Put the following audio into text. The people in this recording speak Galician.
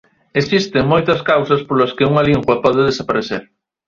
Existen moitas causas polas que unha lingua pode desaparecer.